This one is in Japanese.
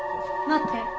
待って。